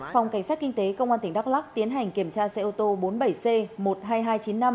phòng cảnh sát kinh tế công an tỉnh đắk lắc tiến hành kiểm tra xe ô tô bốn mươi bảy c một mươi hai nghìn hai trăm chín mươi năm